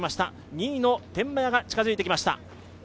２位の天満屋が近づいてきました。